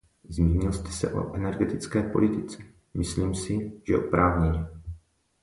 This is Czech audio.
Zmínil jste se o energetické politice; myslím si, že oprávněně.